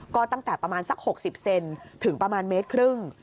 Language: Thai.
ก็ตั้งแต่ประมาณสัก๖๐เซนถึงประมาณเมตรครึ่ง